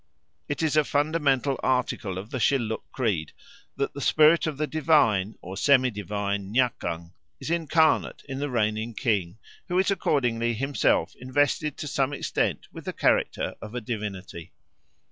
It is a fundamental article of the Shilluk creed that the spirit of the divine or semi divine Nyakang is incarnate in the reigning king, who is accordingly himself invested to some extent with the character of a divinity.